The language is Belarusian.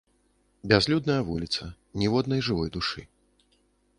Бязлюдная вуліца, ніводнай жывой душы.